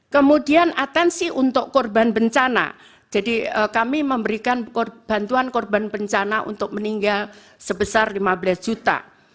kemudian atensi untuk korban bencana jadi kami memberikan bantuan korban bencana untuk meninggal sebesar lima belas juta